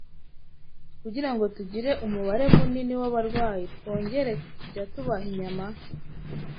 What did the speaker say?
kugira ngo tugire umubare munini w’abarwayi twongera kujya tubaha inyama?